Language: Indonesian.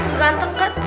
udah ganteng kan